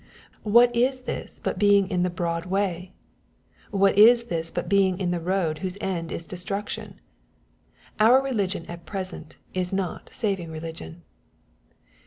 What is this but being in the " broad way ?" What is this but being in the road whose end is " destruction ?" Our religion at present is not saving religion.